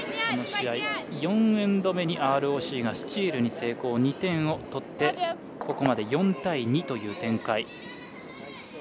この試合、４エンド目にＲＯＣがスチールに成功、２点を取ってここまで４対２という展開。